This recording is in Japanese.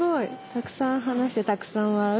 「たくさん話してたくさん笑う」。